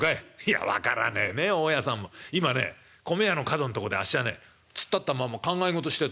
今ね米屋の角んとこであっしはね突っ立ったまんま考え事してたんだよ。